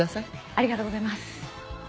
ありがとうございます！